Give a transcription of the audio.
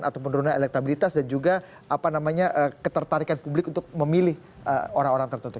atau menurunnya elektabilitas dan juga apa namanya ketertarikan publik untuk memilih orang orang tertentu